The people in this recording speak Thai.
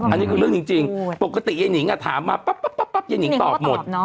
อันนี้คือเรื่องจริงปกติยายนิงถามมาปั๊บยายนิงตอบหมด